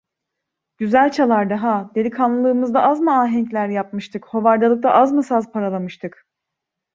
Güzel çalardı ha, delikanlılığımızda az mı ahenkler yapmıştık, hovardalıkta az mı saz paralamıştık!